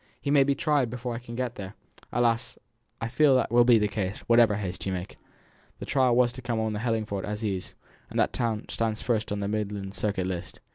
He may be tried before I can get there!" "Alas! I fear that will be the case, whatever haste you make. The trial was to come on at the Hellingford Assizes, and that town stands first on the Midland Circuit list.